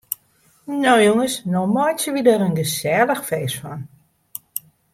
No jonges, no meitsje we der in gesellich feest fan.